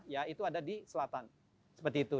ya itu ada di selatan seperti itu